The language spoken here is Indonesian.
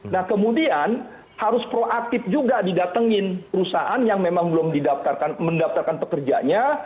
nah kemudian harus proaktif juga didatengin perusahaan yang memang belum mendaftarkan pekerjanya